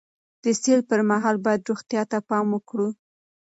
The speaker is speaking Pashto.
د سیل پر مهال باید روغتیا ته پام وکړو.